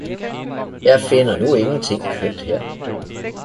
Jeg finder nu ingenting kjønt her